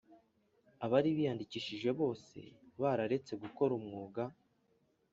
Abari biyandikishije bose bararetse gukora umwuga